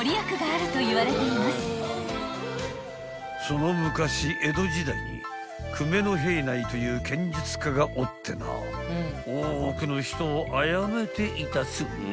［その昔江戸時代に久米平内という剣術家がおってな多くの人をあやめていたそうな］